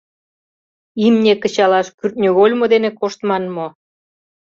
Имне кычалаш кӱртньыгольмо дене коштман мо?